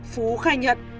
phú khai nhận